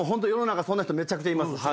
そんな人めちゃくちゃいます。